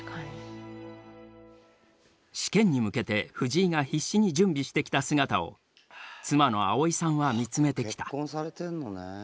試験に向けて藤井が必死に準備してきた姿を妻の葵さんは見つめてきた。